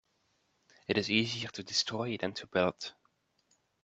It is easier to destroy than to build.